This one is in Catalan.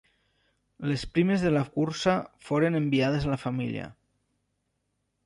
Les primes de la cursa foren enviades a la família.